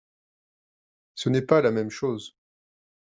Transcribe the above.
Ce n’est pas la même chose…